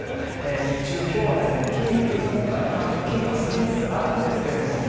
日中、今日は今回の寒気のピークは過ぎつつあるんですが今日